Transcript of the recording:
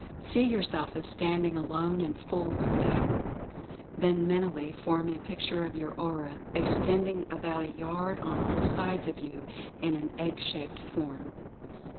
See yourself as standing alone and full of Power. Then mentally form a picture of your Aura, extending about a yard on all sides of you, in an egg shaped form.